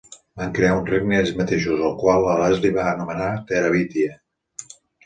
Van crear un regne ells mateixos, el qual la Leslie va anomenar Terabithia.